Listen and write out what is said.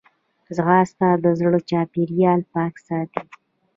ځغاسته د زړه چاپېریال پاک ساتي